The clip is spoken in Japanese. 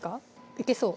いけそう？